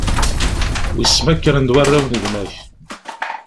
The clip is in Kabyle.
Wiss ma kkren-d warraw n gma-k?